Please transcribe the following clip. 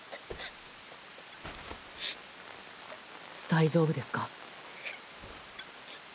大丈夫ですか？